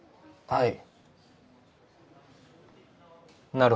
はい。